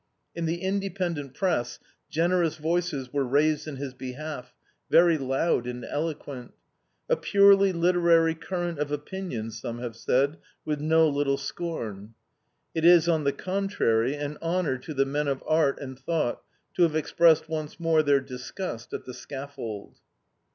In the independent press generous voices were raised in his behalf, very loud and eloquent. 'A purely literary current of opinion' some have said, with no little scorn. IT IS, ON THE CONTRARY, AN HONOR TO THE MEN OF ART AND THOUGHT TO HAVE EXPRESSED ONCE MORE THEIR DISGUST AT THE SCAFFOLD."